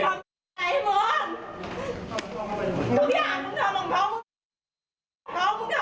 มานี่ดิมานี่ก่อนดิ